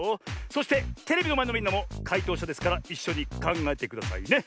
そしてテレビのまえのみんなもかいとうしゃですからいっしょにかんがえてくださいね。